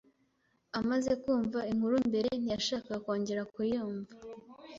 Amaze kumva inkuru mbere, ntiyashakaga kongera kuyumva.